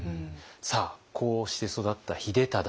さあこうして育った秀忠。